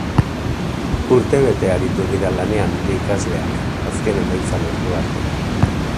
Urte bete aritu dira lanean bi ikasleak, azken emaitza lortu arte.